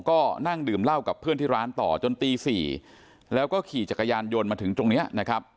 ก็นั่งดื่มเหล้ากับเพื่อนที่ร้านต่อจนตี๔แล้วก็ขี่จักรยานยนต์มาถึงตรงนี้นะครับ